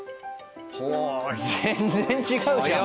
全然違うじゃん！